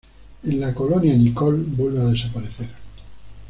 En la colonia Nicole vuelve a desaparecer.